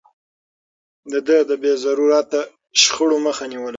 ده د بې ضرورته شخړو مخه نيوله.